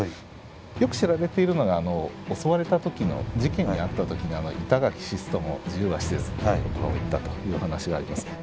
よく知られているのが襲われた時の事件にあった時に「板垣死すとも自由は死せず」っていう言葉を言ったという話があります。